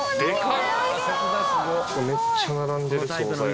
めっちゃ並んでる惣菜も。